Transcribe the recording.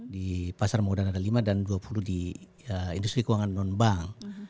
di pasar modal ada lima dan dua puluh di industri keuangan non bank